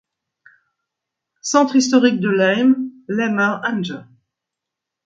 Centre historique de Laim, Laimer Anger.